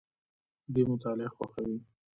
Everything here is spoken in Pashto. دوی مطالعه خوښوي.